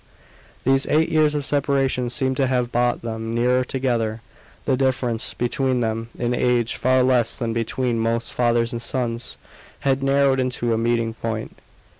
These eight years of separation seemed to have brought them nearer together; the difference between them in age, far less than between most fathers and sons, had narrowed into a meeting point.